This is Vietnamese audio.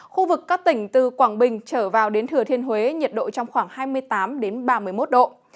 khu vực các tỉnh từ quảng bình trở vào đến thừa thiên huế nhiệt độ trong khoảng hai mươi tám ba mươi một độ